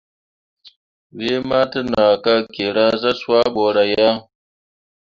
Wee ma təʼnah ka kyeera zah swah bəəra ya.